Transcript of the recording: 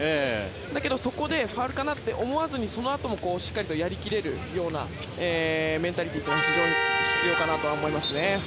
だけど、そこでファウルかなと思わずにそのあともしっかりとやり切れるようなメンタリティーが非常に必要だと思います。